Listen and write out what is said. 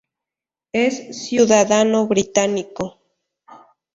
Es ciudadano británico.